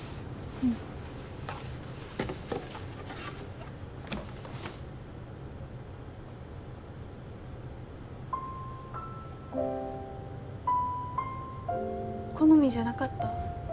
うん好みじゃなかった？